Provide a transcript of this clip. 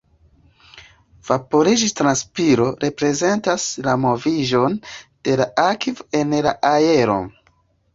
Vaporiĝ-transpiro reprezentas la moviĝon de la akvo en la aeron.